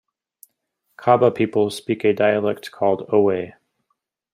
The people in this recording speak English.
Kabba people speak a dialect called Owe.